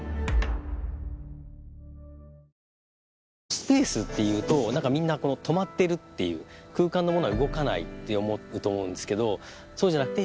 スペースっていうと何かみんな止まってるっていう空間のものは動かないって思うと思うんですけどそうじゃなくて。